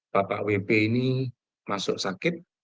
bapak wp ini masuk sakit